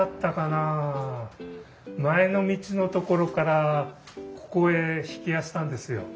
前の道のところからここへ曳家したんですよ。